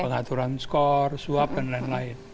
pengaturan skor suap dan lain lain